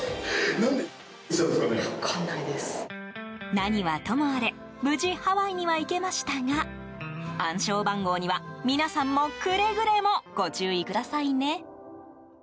何はともあれ無事、ハワイには行けましたが暗証番号には、皆さんもくれぐれもご注意くださいね。